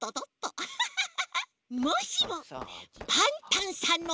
アハハハ！